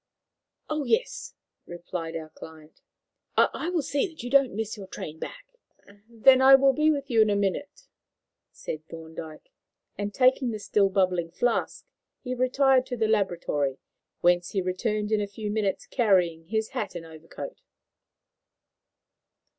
"Oh yes," replied our client; "I will see that you don't miss your train back." "Then I will be with you in a minute," said Thorndyke; and, taking the still bubbling flask, he retired to the laboratory, whence he returned in a few minutes carrying his hat and overcoat.